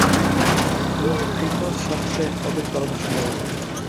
তিনি ফিকহ শাস্ত্রে অধিক পারদর্শী হয়ে উঠেন।